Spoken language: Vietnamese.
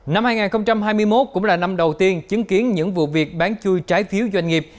năm hai nghìn hai mươi một cũng là năm đầu tiên chứng kiến những vụ việc bán chui trái phiếu doanh nghiệp